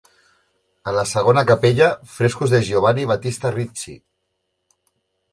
A la segona capella, frescos de Giovanni Battista Ricci.